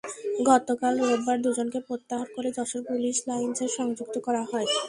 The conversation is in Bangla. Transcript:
গতকাল রোববার দুজনকে প্রত্যাহার করে যশোর পুলিশ লাইনসে সংযুক্ত করা হয়।